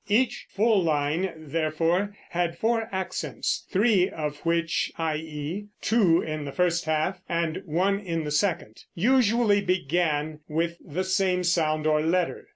Each full line, therefore, had four accents, three of which (i.e. two in the first half, and one in the second) usually began with the same sound or letter.